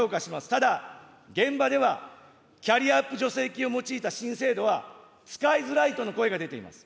ただ、現場では、キャリアアップ助成金を用いた新制度は使いづらいとの声が出ています。